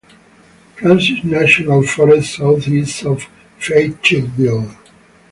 Francis National Forest southeast of Fayetteville.